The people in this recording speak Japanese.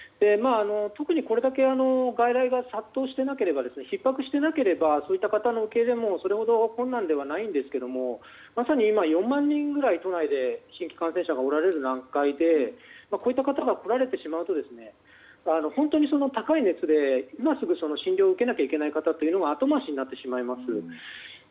特にこれだけ外来が殺到していなければひっ迫していなければそういった方の受け入れもそれほど困難ではないですがまさに今、４万人ぐらい都内で新規感染者がおられる段階で、こういった方が来られてしまうと本当に高い熱で今すぐ診療を受けなければいけない方が後回しになってしまいます。